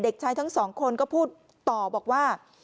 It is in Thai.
เด็กชายทั้งสองคนก็พูดต่อบอกว่า